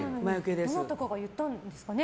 どなたかが言ったんですかね